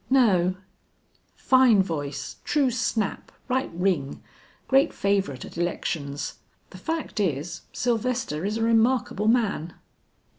"No." "Fine voice, true snap, right ring. Great favorite at elections. The fact is, Sylvester is a remarkable man."